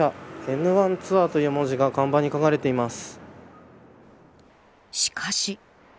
エヌワンツアーという文字が看板に書かれています。